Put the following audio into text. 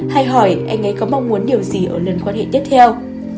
hay hỏi anh ấy có mong muốn điều gì ở lần quan hệ tiếp theo